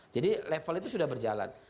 jadi level itu sudah berjalan